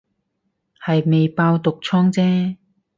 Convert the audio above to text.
係未爆毒瘡姐